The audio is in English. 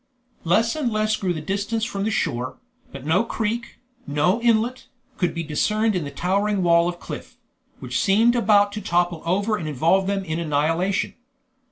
Less and less grew the distance from the shore, but no creek, no inlet, could be discerned in the towering wall of cliff, which seemed about to topple over and involve them in annihilation.